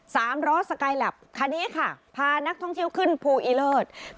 สามล้อสกายแล็บคันนี้ค่ะพานักท่องเที่ยวขึ้นภูอีเลิศ